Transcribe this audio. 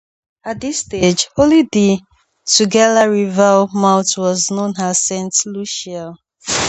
At this stage, only the Tugela River mouth was known as Saint Lucia.